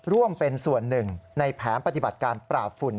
ร่วมเป็นส่วนหนึ่งในแผนปฏิบัติการปราบฝุ่น